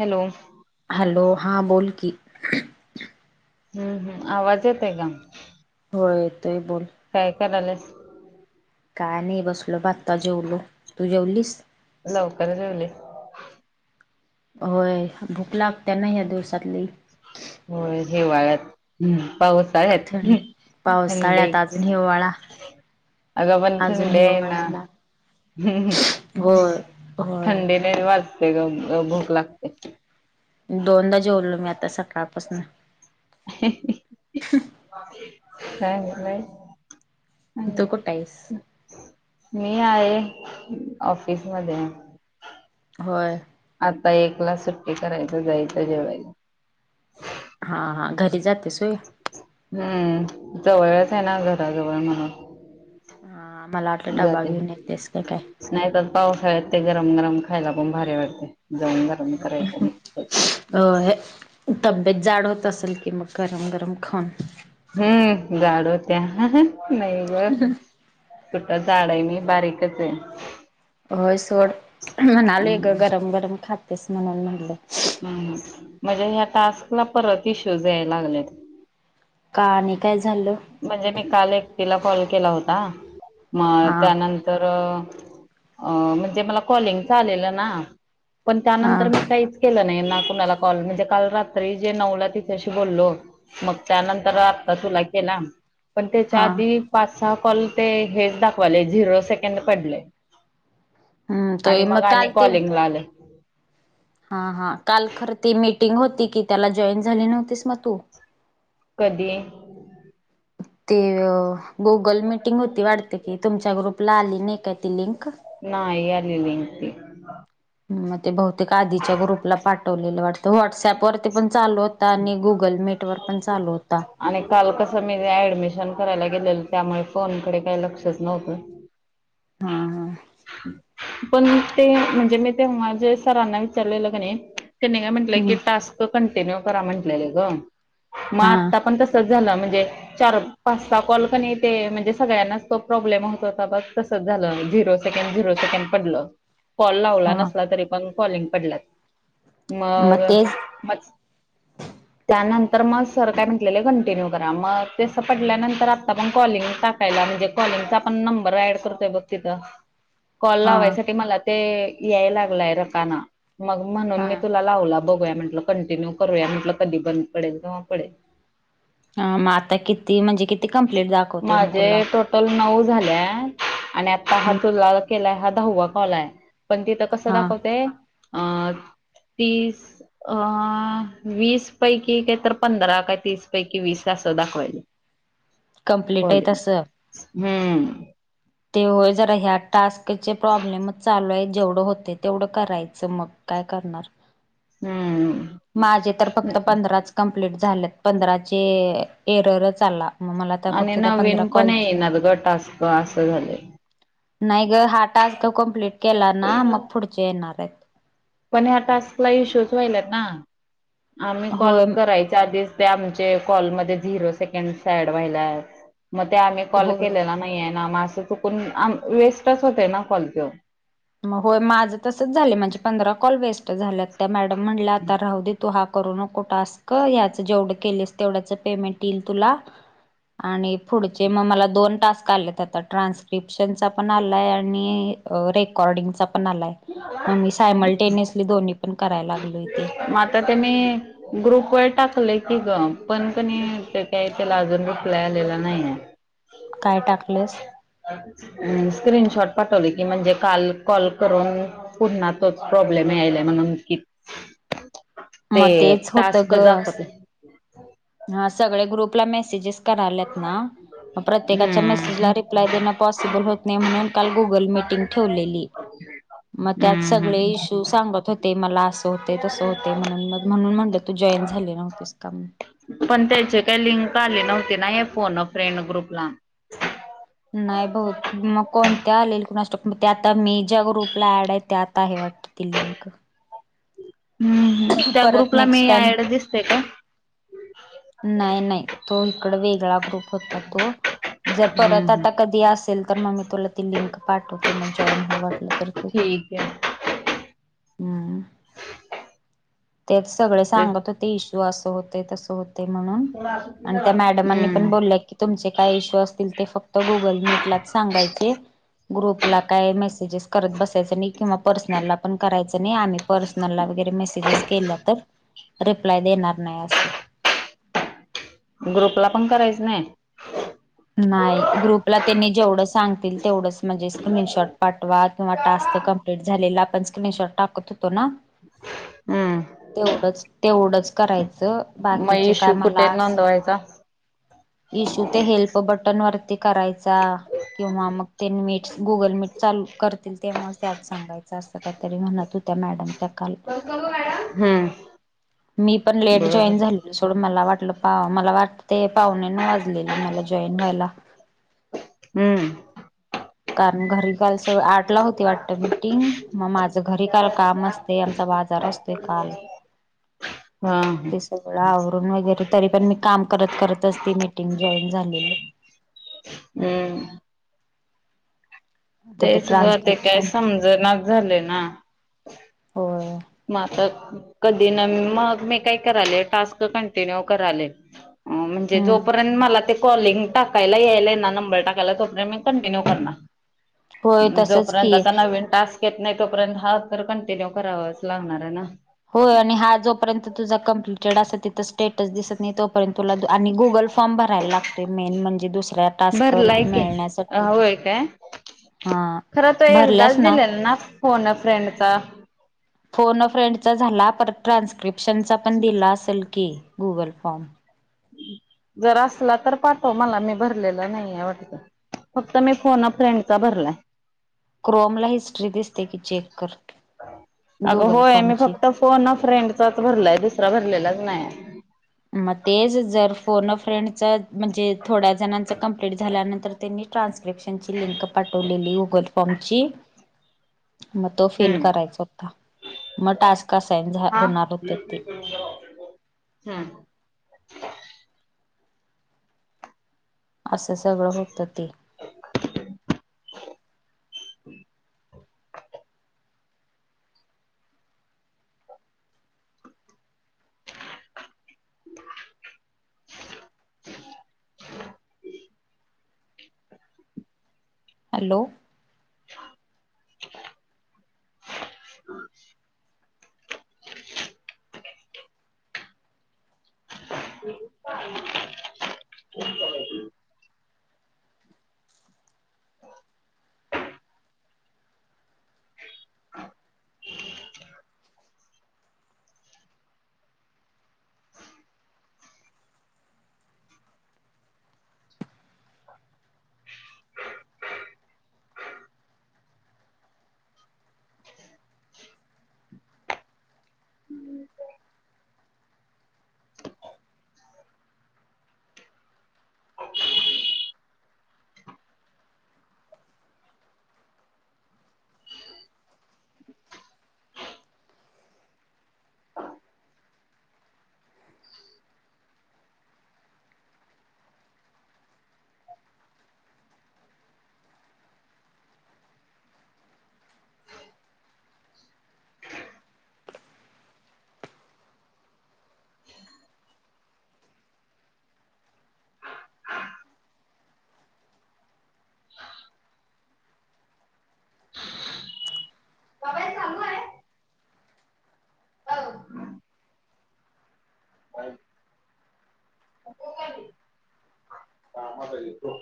Hello. Hello हा बोल की हम्म हम्म आवाज येत आहे काम हो येतय बोल. करालस. काय नाही बसल बा आता जेवलो तू जेवलीस. लवकरच जेवली. होय भूक लागत नाही या दिवसातली हो हे वागत पाऊसा थंड थंडी पावसाळ्यात अजून हिवाळा अग बण अजून दे ना हिवाळाला हम्म ह् होय होय थंडीने वा ते भूक लागते. दोनदा जेोललो मी आता सकाळपासून हा बाय. तू कुठेह्यास. मी आहे ऑफिस मध्ये होय. आता एकला सुट्टी करायच जायचं जेव्हायला. हा हा घरी जाते सोय. हम्म जवळच आहे ना घराजवळ मला. हा आ मला आटला डबा घेऊन येतेस का काय? पावसाळ ते गरम गरम खायला पण भारी वाटते. जाऊन गरम अ करायचं नाही अ हे. तब्येत जाड होत असेल की मग गरम गरम खाऊन हम्म गाडो त नाही ग. झाड आहे मी बारीकच आहे. होय सोड म्हणाले हम्म ग गरम गरम खातेस म्हणून म्हणलं. म्हणजे ह्या टास्क ला परत इश्यू जाय लागले. का आणि काय झालं म्हणजे मी काल एकटीला कॉल केला होता म हा त्यानंतर अ म्हणजे मला कॉलिंग आलेलं ना पण हा त्यानंतर तर मी काहीच केलं नाही ना. काल म्हणजे काल रात्री जे नऊला तिच्याशी बोललो मग त्यानंतर आता तुला ला पण त्याच्या हा आधी पाच सहा कॉल ते हेच दाखवाले झिरो सेकंड पडले. हम्म तो आणि मग आणि काल ते कॉलिंग ला आले. हा हा काल खर ती मीटिंग होती की त्याला जॉईन झाली नव्हतीस मग तू कधी? ते गुगल मिीटिंग होती वाढते की तुमच्या ग्रुपला आली नाही काय ती लिंक नाही आलेलीती मग ते बहुतेक आधीच्या ग्रुपला पाठवलेलं वाटतं व्हॉटसअपवरर ते पण चालू होता आणि गुगल मीट वर पण चालू होता. आणि काल कसं मी ऍडमिशन करायला गेलेलं त्यामुळे फोनकडे काही लक्षच नव्हतं. हा हा. पण ते म्हणजे मी ते माझे सरांना विचारले लग नाही. का म्ह क हम्म टस् कंटिन्यू करा म्हं ग मग हा आ पण त म्हणे चार पाच कॉल म्हणजे सगळ्यांना तो प्रॉब्लेम होत होता. [unintelligible] क झिरो सेकड पडल कॉल लावला हा नसला तरी पण कॉलिंग पडला. मग म त्यानंतर तर मग सर काय म्हटलं कंटिन्यू करा मग तेसं पडल्यानंतर आता पण कॉलिंग टाकायला म्हणजे, कॉल आपण नंबर ऍड करतोय बघ तिथं, कॉल हा लावायसाठी मला ते याय लागलंय रकाना मग म्हणून मी हा तुला लावला. बघूया म्हटलं कंटिन्यू करूया म्हटलं कधी बंद पडेल जव्हा पडेल. ह मग आता किती म्हणजे किती कंप्लेंट दाखवते मग माझे तुला टोटल नऊ आणि आता हम्म तुला केलाय हा दहावा केलाय पण तिथ कसं हा दाखवते अ तीस. अ वीस पैकी काय तर पंधरा काय तीस पैकी वीस असं दाखवायल. कंप्लीट आहे तसं. हम्म. तेव्हा जरा ह्या टास्कचे प्रॉब्लेम चालू आहे जेवढं होते तेवढं करायचं मग हम्म. मा फक्त पं प्ट झाल्यात पंधराचे एररच आला. मग मला तर आणि फक्त त्या ना पंधरा विन पण कॉलचे येणार ग टास्क असं झाले. नाही ग हा टास्क कम्प्लीट केला ना मग पुढचे येणार आहेत. पण ह्या टास्कला इशूच व्हालात ना आम्ही कॉल होय करायच्या आधी त्या आमचे कॉलमध्ये झिरो सेकंड सॅड व्हाला आहे. मग ते आम्ही कॉल होय केलेला नाही आहे ना मासं चुकून वेस्टच होते ना कॉल तो मग होय माझं तसच झालं माणझे पंधरा कॉल वेस्ट झालं त्या मॅडम म्हटलं आता राहू दे तू हा. करू नकोस टास्क आणि पुढचे मग मला दोन टास्क आलेत आता, ट्रान्स्क्रिप्शनचा पण आलाय आणि रेकॉर्डिंग पण आलाय मग मी सायमल टेनस दोन्ही पण करायला लागलो मग आता ते मी ग्रुप व टाकलंय. तरी ग पण पण काही त्याला अजून रुखला आलेला नाही आहे. काय टाकलंस स्क्रीन शर्टपाटल क म्हणजे काल कॉल करून पुन्हा तोच प्रॉब्लेम यायलाय म्हण नकी, ते मग तेच होतं टास्क ग दाखते. हा सगळे ग्रुपला मे जीजस करायलात ना! मग प्रत्येकाच्या हम्म मेसेजला रिप्लाय देन पॉसिबल होत नाही, म्हणून काल गुगल मिटिंग ठेवलेली, मग त्यात हम्म हम्म. सगळे इश्यू तू सांगत होते मला असं होते, तसं होते, म्हणून मग म्हणून म्हणलं तू जॉईन झाले नव्हतेस का? पण त्याचे काही लिंक आले नव्हती ना या फोन अ फ्रेंड ग्रुपला? नाही बहुतेक मग कोणती आलेली कुनासठाउक, मग ते आता मी ज्या ग्रुपला ऍड आहे त्यात आहे वाटत. ती लिंक. हम्म त्या परत ग्रुपला नेक्स्ट मी टाइम ॲड दिसतेय का? नाही नाही, तो इकड वेगळा ग्रुप होता तो, जर हम्म परत आता हम्म कधी असेल तर मग मी तुला ती लिंक पाठवते म्हणजे, जॉईन हो वाटलं तर तुला, ठीक आहे हम्म! त्यात सगळे ते सांगत होते इश्यू असं होतेय तसं होतेय म्हणून. आणि त्या मॅडमांनी पण हम्म बोलल्या की तुमचे काय इशू असतील ते फक्त गुगल मिटींगलाच सांगायचे. ग्रुपला काय मेसेजेस करत बसायचं नाही किंवा पर्सनलला पण करायचं नाही आम्ही पर्सनल ला मॅसेजेस केला, तर रिप्लाय देणार नाही असं. ग्रुपला पण करायचं नाही? नाही ग्रुपला त्यांनी जेवढंच सांगतील तेवढंच म्हणजे स्क्रीनशॉट पाठवा किंवा टास्क कंप्लीट झालेत तेच स्क्रीनशॉट टाकत होतो ना, हम्म तेवढंच तेवढंच करायचं. मग बाकीचे काय इश्यू कुठे मला, नोंदवायचा? इशू ते हेल्प ग्रुप वरती करायचा, किंवा मग ते मीट गुगल मीट चालू करतील तेव्हा त्या सांगायचं असतं काही तरी म्हणत होत्या मॅडम त्या. काल, हम्म मी पण लेट बर जॉईन झालेले सोड मला वा टलं पा मला वाटतेय पाउनेनऊ वाजलेले मला जॉईन व्हायला. हम्म! कारण घरी काल स आठ ला होती वाटत मीटिंग, मग माझं घरी काल काम असते आमचा बा जार असतोय काल. [inaudible] हा त्याच्यामुळ आ वरल तरी पण मी काम करत करतच ती मीटिंग जॉईन झालेली. [inaudible] हम्म तर ते तेचं ग ते काय ट्रान्स्क्रिप्शन समजणाचं झालंय ना! हो, मग आता कधी ना मग मी काय करायले टास्क कॉन्टिनुए करायले. म्हणजे हम्म जोपर्यंत मला ते कॉलिंग टाकायला यायला ना नंबर टाकायला तोपर्यंत मी कंटिन्यू करणार. होय तसच जोपर्यंत की आता नवीन टास्क येत नाही तोपर्यंत हा तर कंटिन्यू करावाच लागणार येना. होय आणि हा जोपर्यंत तुझा कम्प्लिटेड असा तिथं स्टेटस दिसतं नाहीत तो तुला तो आणि गुगल फॉर्म भरायला लागतोय मेन म्हणजे दुसऱ्या टास्क भरलाय की मिळण्यासाठी. होय काय, हा खर तो एकदाच दिलेला ना फोन अ फ्रेंडचा? फोन अ फ्रेंडचा झाला परत ट्रान्स्क्रिप्शनचा पण दिला असेल की गुगल फॉर्म? जर असला तर पाठव मला मी भरलेला नाही वाटत. फक्त मी फोन अ फ्रेंडचा भरलाय. क्रोमला हिस्ट्री दिसते की चेक कर. अगं गुगल होय मी फॉर्मची फक्त फोन अ फ्रेंडचाचं भरलाय दुसरा भरलेलाच नाही. मग तेच जर फोन अ फ्रेंडचा म्हणजे थोड्या जणांचं कंप्लीट झाल्यानंतर त्यांनी ट्रान्स्क्रिप्शनची लिंक पाठवलेली गुगल फॉर्म ची, मग तो फिल हम्म. करायचा होता. मग टास्क सायन झा हा. होणार होते ते. हम्म. [inaudible] असं सगळं होत ते. हॅलो. [unintelligible] ह [inaudible] [unintelligible] [unintelligible] ह [unintelligible] [inaudible] [inaudible] ह [unintelligible] [unintelligible] बाबा सांगू आहे. हम्म. ब. काम येतो.